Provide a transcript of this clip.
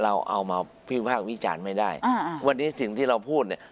เอามาพิพากษ์วิจารณ์ไม่ได้อ่าวันนี้สิ่งที่เราพูดเนี่ย